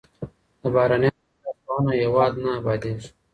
د بهرنیانو په لاسوهنه هېواد نه ابادېږي.